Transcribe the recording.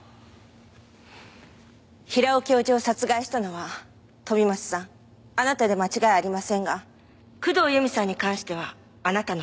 平尾教授を殺害したのは飛松さんあなたで間違いありませんが工藤由美さんに関してはあなたの犯行ではありません。